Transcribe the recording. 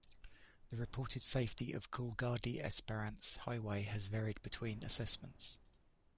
The reported safety of Coolgardie-Esperance Highway has varied between assessments.